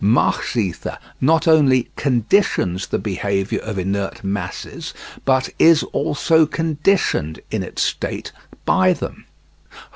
Mach's ether not only conditions the behaviour of inert masses, but is also conditioned in its state by them.